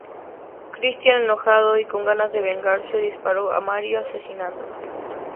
Christian enojado y con ganas de vengarse dispara a Mario, asesinándolo.